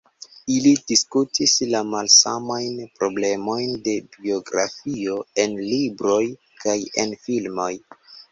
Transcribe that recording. Ili diskutis la malsamajn problemojn de biografio en libroj kaj en filmoj.